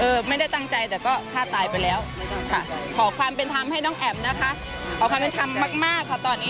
ไม่ได้ตั้งใจแต่ก็ฆ่าตายไปแล้วค่ะขอความเป็นธรรมให้น้องแอ๋มนะคะขอความเป็นธรรมมากมากค่ะตอนนี้